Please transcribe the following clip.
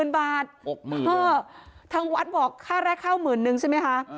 ๖๐๐๐๐บาทห้อทางวัดบอกค่าแรกข้าวหมื่นหนึ่งใช่ไหมคะ